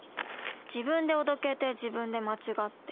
自分でおどけて自分で間違って。